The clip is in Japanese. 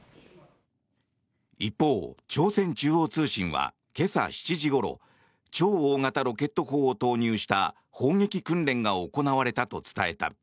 一方、朝鮮中央通信は今朝７時ごろ超大型ロケット砲を投入した砲撃訓練が行われたと伝えた。